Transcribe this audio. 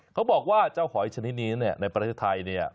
เขาบอกว่าเจ้าหอยชนิดนี้ในประเทศไทยเนี่ย